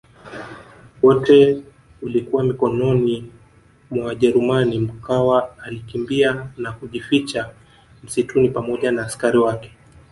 wote ulikuwa mikononi mwa wajerumani Mkwawa alikimbia na kujificha msituni pamoja na askari wake